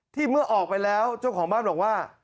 เมื่อออกไปแล้วเจ้าของบ้านบอกว่า